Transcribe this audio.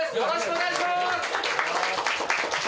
お願いします。